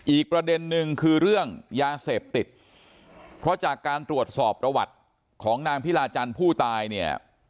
อีกประเด็นนึงคือเรื่องยาเสพติดเพราะจากการตรวจสอบประวัติของนางพิลาจันทร์ผู้ตายเนี่ย